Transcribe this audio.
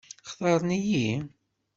Xtaṛen-iyi?